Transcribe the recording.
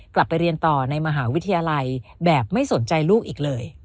กลับไปเรียนต่อในมหาวิทยาลัยแบบไม่สนใจลูกอีกเลย